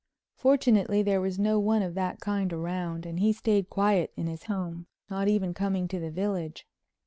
Fortunately there was no one of that kind around, and he stayed quiet in his home, not even coming to the village.